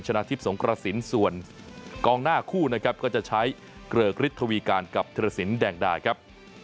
ชนะทิพย์สงกระสินส่วนกองหน้าคู่นะครับก็จะใช้เกริกฤทธวีการกับธิรสินแดงดาครับ